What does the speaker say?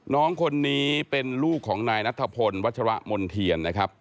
น้องคนนี้เป็นลูกของนายนัทพลวัชรมนเทียนนะครับ